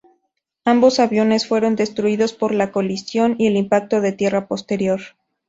Ambos aviones fueron destruidos por la colisión y el impacto de tierra posterior.